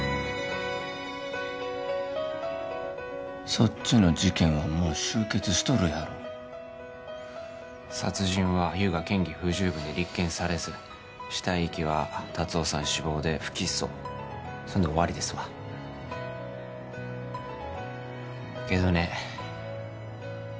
そっちの事件はもう終結しとるやろ殺人は優が嫌疑不十分で立件されず死体遺棄は達雄さん死亡で不起訴そんで終わりですわけどね